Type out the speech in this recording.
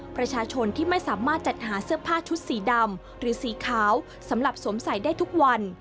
ประชาชนที่ไม่สามารถจัดหาเสื้อผ้าชุดสีดำหรือสีขาวสำหรับสวมใส่ได้ทุกวัน